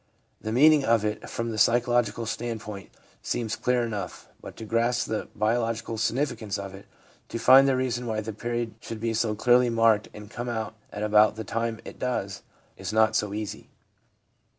The meaning of it from the psychological standpoint seems clear enough, but to grasp the biological significance of it, to find the reason why the period should be so clearly marked and come out at about the time it does, is not so easy.